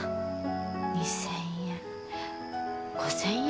２，０００円５，０００円？